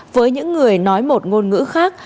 với những người nói một ngôn ngữ khác